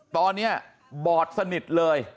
ตอนนี้บอดสนิทเลย